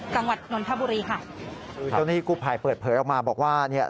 กลังวัดนนทบุรีค่ะเจ้าหน้าที่กูภายเปิดเผลอออกมาบอกว่าเนี้ย